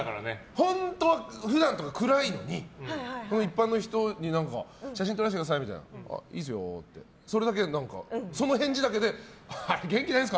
本当、普段とか暗いのに一般の人に写真撮らせてくださいって言っていいっすよってその返事だけで元気ないんですか？